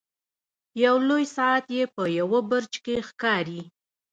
یو لوی ساعت یې په یوه برج کې ښکاري.